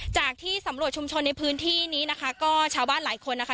จากที่สำรวจชุมชนในพื้นที่นี้นะคะก็ชาวบ้านหลายคนนะคะ